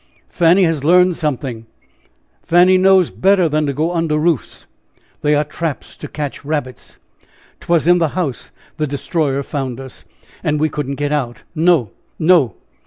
Fanny has learned something. Fanny knows better than to go under roofs they are traps to catch rabbits! 'Twas in the house the Destroyer found us, and we couldn't get out! No, no!